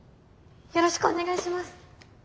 よろしくお願いします。